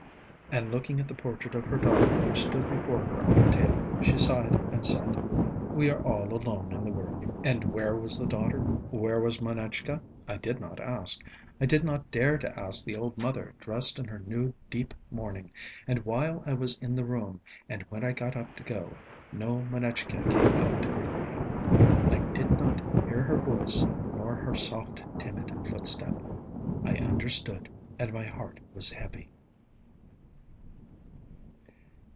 And looking at the portrait of her daughter which stood before her on the table, she sighed and said: "We are all alone in the world." And where was the daughter? Where was Manetchka? I did not ask. I did not dare to ask the old mother dressed in her new deep mourning. And while I was in the room, and when I got up to go, no Manetchka came out to greet me. I did not hear her voice, nor her soft, timid footstep. ... I understood, and my heart was heavy.